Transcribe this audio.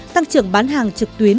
tăng trưởng bán hàng trực tuyến